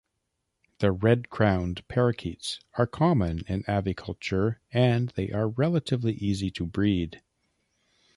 The red-crowned parakeets are common in aviculture and they are relatively easy to breed.